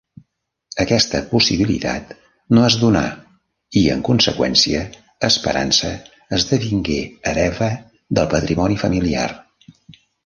Aquesta possibilitat no es donà i, en conseqüència, Esperança esdevingué hereva del patrimoni familiar.